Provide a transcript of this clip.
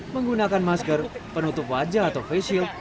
menggunakan masker penutup wajah atau face shield